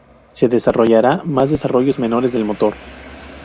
Se desarrollará más desarrollos menores del motor.